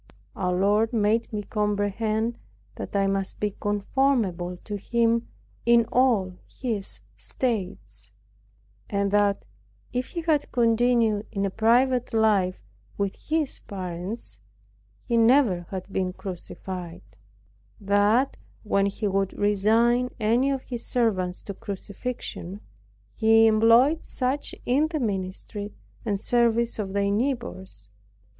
Our Lord made me comprehend that I must be conformable to Him in all His states; and that, if He had continued in a private life with His parents, He never had been crucified; that, when He would resign any of His servants to crucifixion, He employed such in the ministry and service of their neighbors.